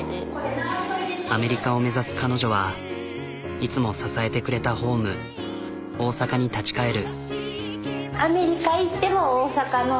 アメリカを目指す彼女はいつも支えてくれたホーム大阪に立ち返る。